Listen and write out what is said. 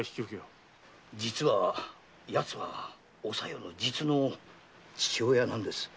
実は奴はおさよの実の父親なんです。